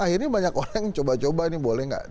akhirnya banyak orang yang coba coba ini boleh nggak